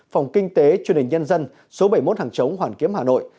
phòng kinh tế truyền hình nhân dân số bảy mươi một hàng chống hoàn kiếm hà nội